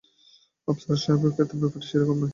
আফসার সাহেবের ক্ষেত্রে ব্যাপারটা সে-রকম নয়।